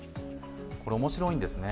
これ、面白いんですね。